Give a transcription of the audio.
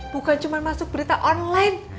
bukan cuma masuk berita online